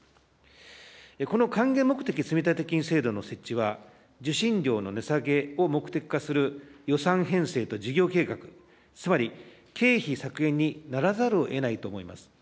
この還元目的積立金制度の設置は、受信料の値下げを目的化する予算編成と事業計画、つまり経費削減にならざるをえないと思います。